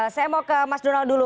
saya mau ke mas donald dulu